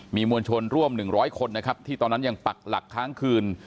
มีมวลชนร่วม๑๐๐คนนะครับที่ตอนนั้นยังปักหลักค้างคืน